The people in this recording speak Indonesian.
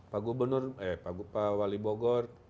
pak gubernur eh pak wali bogor